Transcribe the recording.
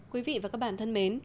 quý vị và các bạn thân mến